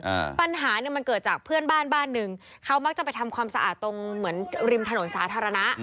อ่าปัญหาเนี้ยมันเกิดจากเพื่อนบ้านบ้านหนึ่งเขามักจะไปทำความสะอาดตรงเหมือนริมถนนสาธารณะ